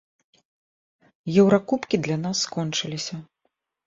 Еўракубкі для нас скончыліся.